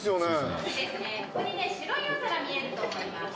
ここにね白いお皿見えると思います。